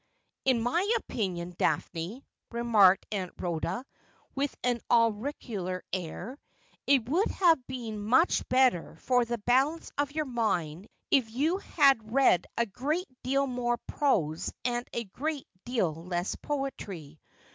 '' In my opinion. Daphne,' remarked Aunt Rhoda, with an oracular air, ' it would have been much better for the balance of your mind if you had read a great deal more prose and a great deal less poetry.